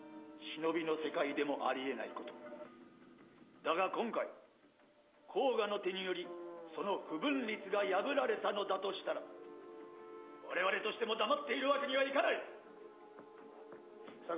だが今回甲賀の手によりその不文律が破られたのだとしたらわれわれとしても黙っているわけにはいかない！草刈。